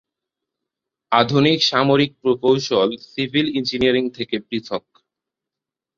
আধুনিক সামরিক প্রকৌশল সিভিল ইঞ্জিনিয়ারিং থেকে পৃথক।